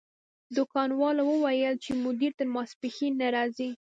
دکان والا وویل چې مدیر تر ماسپښین نه راځي.